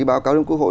báo cáo đến quốc hội